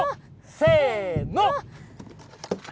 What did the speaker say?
せの。